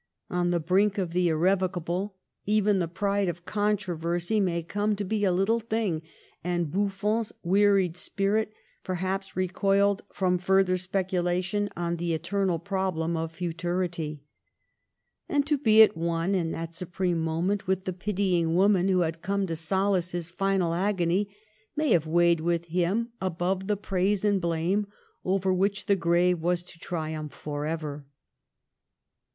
On the brink of the irrevocable, even the pride of controversy may come to be a little thing ; and Buffon's wearied spirit perhaps recoiled from fur ther speculation on the eternal problem of futu rity. And to be at one, in that supreme moment, With the pitying woman who had come to solace his final agony, may have weighed with him above the praise and blame over which the grave was to triumph forever.